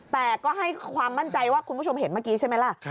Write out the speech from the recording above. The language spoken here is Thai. แต่ก็ให้ความมั่นใจว่าคุณผู้ชมเห็นเมื่อกี้ใช่ไหมล่ะ